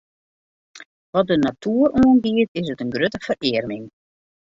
Wat de natoer oangiet, is it in grutte ferearming.